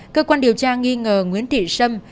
cơ quan điều tra nghi ngờ nguyễn thị sâm